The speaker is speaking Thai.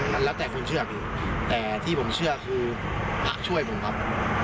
มันแล้วแต่คนเชื่อพี่แต่ที่ผมเชื่อคือพระช่วยผมครับ